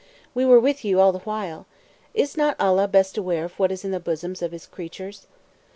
we were with you (all the while). Is not Allah Best Aware of what is in the bosoms of (His) creatures?